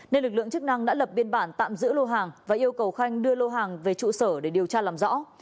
nên lực lượng chức năng đã lập biên bản tạm giữ lô hàng và yêu cầu khanh đưa lô hàng về trụ sở để điều tra làm rõ